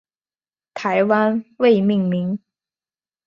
台湾未命名。